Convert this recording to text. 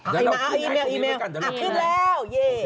อ่ะอีเมลอีเมลอ่ะขึ้นแล้ว